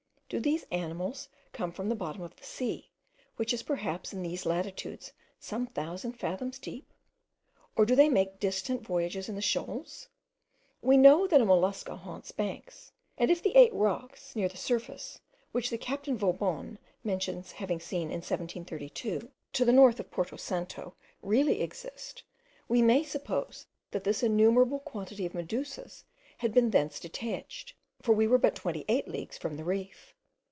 Do these animals come from the bottom of the sea, which is perhaps in these latitudes some thousand fathoms deep? or do they make distant voyages in shoals? We know that the mollusca haunt banks; and if the eight rocks, near the surface, which captain Vobonne mentions having seen in 1732, to the north of Porto Santo, really exist, we may suppose that this innumerable quantity of medusas had been thence detached; for we were but 28 leagues from the reef.